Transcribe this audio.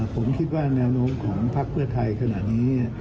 ผมคิดว่าแนวโน้นของภักดิ์เพื่อไทยขนาดนี้